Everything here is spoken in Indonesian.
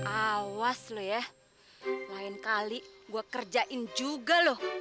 awas lo ya lain kali gua kerjain juga loh